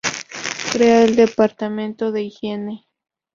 Crea el departamento de higiene.